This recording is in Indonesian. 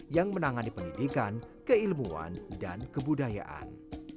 yang menangani pendidikan keilmuan dan kebudayaan